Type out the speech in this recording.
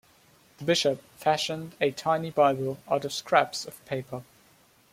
The bishop fashioned a tiny Bible out of scraps of paper.